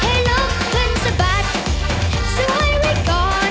ให้ลบขึ้นสะบัดสวยไว้ก่อน